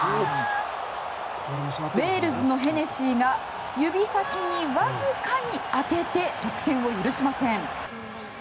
ウェールズのヘネシーが指先にわずかに当てて得点を許しません。